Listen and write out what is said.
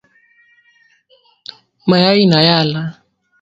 Mayi ina yala